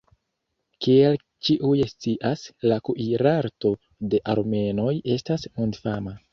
Kiel ĉiuj scias, la kuirarto de armenoj estas mondfama.